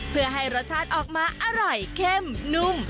เพื่อให้รสชาติออกมาอร่อยเข้มนุ่ม